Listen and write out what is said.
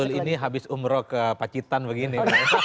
betul ini habis umroh ke pacitan begini